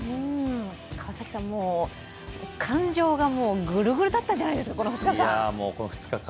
川崎さんも感情がぐるぐるだったんじゃないですか、この２日間。